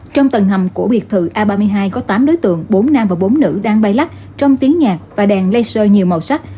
trong tầng hầm của biệt thự a ba mươi hai có tám đối tượng bốn nam và bốn nữ đang bay lắc trong tiếng nhạc và đèn laser nhiều màu sắc